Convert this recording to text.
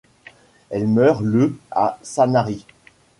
Elle meurt le à Sanary.